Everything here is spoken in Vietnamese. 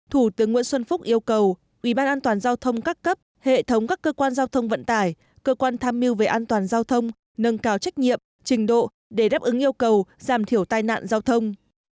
thủ tướng nguyễn xuân phúc yêu cầu ubnd các cấp hệ thống các cơ quan giao thông vận tải cơ quan tham mưu về an toàn giao thông nâng cao trách nhiệm trình độ để đáp ứng yêu cầu giảm thiểu tai nạn giao thông